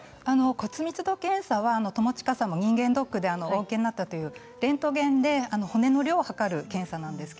骨密度検査は友近さんも人間ドックでお受けになったというレントゲンで骨の量を測る検査です。